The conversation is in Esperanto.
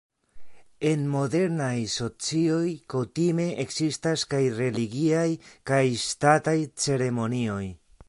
En modernaj socioj kutime ekzistas kaj religiaj kaj ŝtataj ceremonioj.